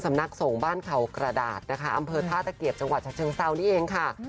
สำนักส่งบ้านเขากระดาษนะคะอำเภอท่าตะเกียบจังหวัดชะเชิงเซานี่เองค่ะ